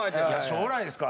将来ですか。